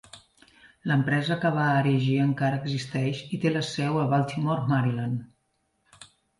L'empresa que va erigir encara existeix i té la seu a Baltimore, Maryland.